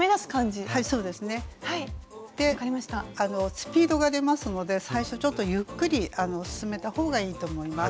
スピードが出ますので最初ちょっとゆっくり進めた方がいいと思います。